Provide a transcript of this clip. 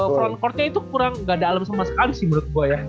front courtnya itu kurang gak ada alam sama sekali sih menurut gue ya